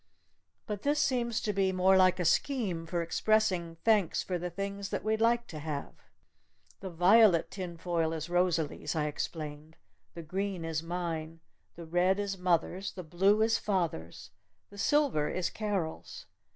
But this seems to be more like a scheme for expressing thanks for the things that we'd like to have!" "The violet tin foil is Rosalee's!" I explained. "The green is mine! The red is mother's! The blue is father's! The silver is Carol's!